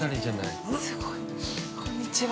こんにちは。